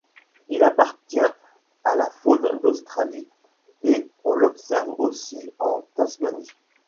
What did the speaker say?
Il appartient à la faune d'Australie et on l'observe aussi en Tasmanie.